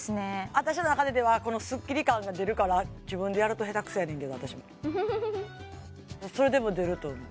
私の中でではこのスッキリ感が出るから自分でやると下手くそやねんけど私もそれでも出ると思う